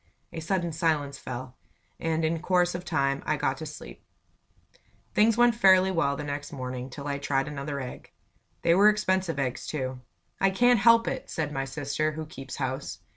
A sudden silence fell, and in course of time I got to sleep. Things went fairly well next morning, till I tried another egg. They were expensive eggs, too. "I can't help it!" said my sister, who keeps house.